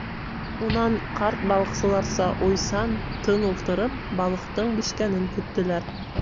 Унан, ҡарт балыҡсыларса уйсан, тын ултырып, балыҡтың бешкәнен көттөләр.